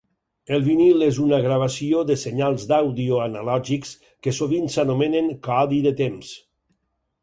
El vinil és una gravació de senyals d'àudio analògics que sovint s'anomenen codi de temps.